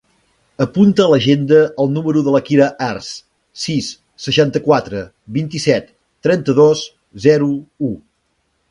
Apunta a l'agenda el número de la Kira Arce: sis, seixanta-quatre, vint-i-set, trenta-dos, zero, u.